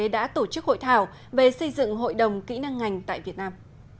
đã tổ chức hội thảo về xây dựng hội đồng kỹ năng ngành tại việt nam